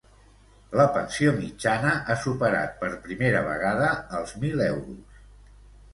La pensió mitjana ha superat per primera vegada els mil euros.